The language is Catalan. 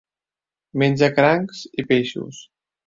Menja crancs i peixos.